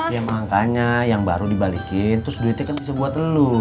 ya makanya yang baru dibalikin terus duitnya bisa buat lu